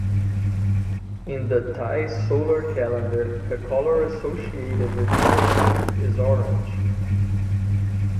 In the Thai solar calendar, the colour associated with Thursday is orange.